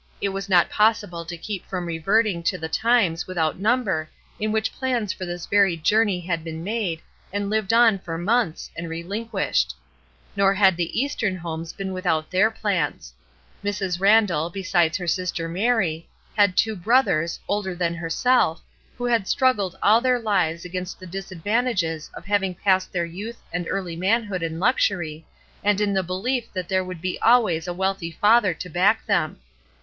It was not possible to keep from reverting to the times without number in which plans for this very journey had been made, and lived on for months, and relinquished. Nor had the Eastern homes been without their plans. Mrs. Randall, besides her sister Mary, had two brothers, older than herself, who had struggled all their lives HOMEWARD BOUND 345 against the disadvantages of having passed their youth and early manhood in luxury, and in the belief that there would be always a wealthy father to back them.